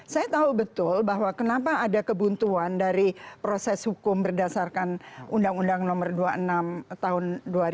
saya tahu betul bahwa kenapa ada kebuntuan dari proses hukum berdasarkan undang undang nomor dua puluh enam tahun dua ribu dua